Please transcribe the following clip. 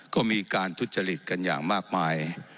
ก็มีการทุจริตกันอย่างมากมาย